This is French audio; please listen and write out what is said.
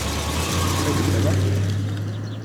Salut, ça va ?